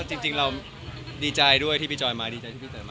จริงเราดีใจด้วยที่พี่จอยมาดีใจที่พี่เตยมา